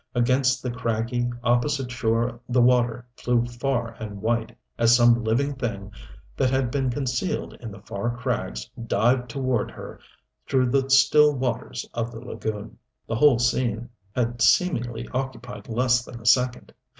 Against the craggy, opposite shore the water flew far and white as some living thing that had been concealed in the far crags dived toward her through the still waters of the lagoon. The whole scene had seemingly occupied less than a second.